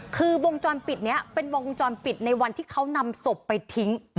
คือวงจรปิดนี้เป็นวงจรปิดในวันที่เขานำศพไปทิ้ง